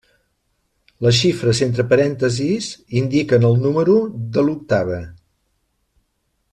Les xifres entre parèntesis indiquen el número de l'octava.